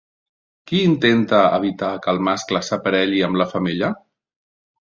Qui intenta evitar que el mascle s'aparelli amb la femella?